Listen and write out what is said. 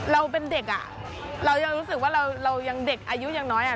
เราเป็นเด็กเรายังรู้สึกว่าเรายังเด็กอายุยังน้อย